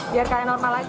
biar kayak normal lagi gitu